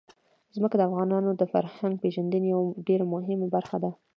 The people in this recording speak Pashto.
ځمکه د افغانانو د فرهنګي پیژندنې یوه ډېره مهمه برخه ده.